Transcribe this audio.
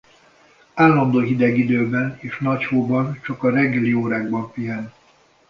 Állandó hideg időben és nagy hóban csak a reggeli órákban pihen.